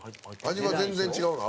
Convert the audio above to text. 味は全然違うの？